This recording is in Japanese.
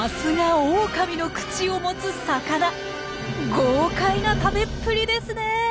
豪快な食べっぷりですねえ！